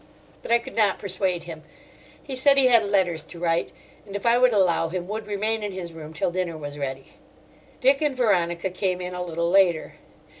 But I could not persuade him. He said he had letters to write, and, if I would allow him, would remain in his room till dinner was ready. Dick and Veronica came in a little later.